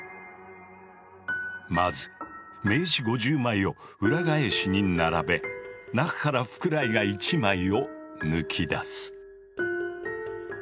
まず名刺５０枚を裏返しに並べ中から福来が１枚を抜き出す。